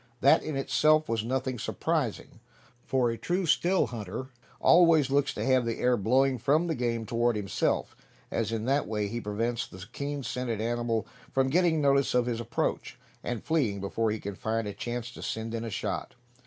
That in itself was nothing surprising, for a true still hunter always looks to have the air blowing from the game toward himself, as in that way he prevents the keen scented animal from getting notice of his approach, and fleeing before he can find a chance to send in a shot.